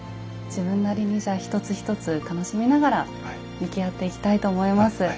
自分なりにじゃあ一つ一つ楽しみながら向き合っていきたいと思います。